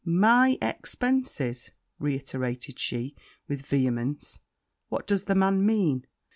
my expences,' reiterated she with vehemence, 'what does the man mean?'